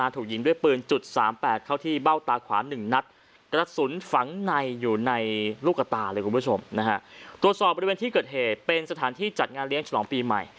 ตรวจสอบบริเวณที่เกิดเหตุเป็นสถานที่จัดงานเลี้ยงฉลองปีใหม่